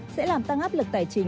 sẽ làm tăng áp lực tài chính